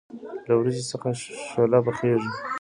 له وریجو څخه شوله پخیږي.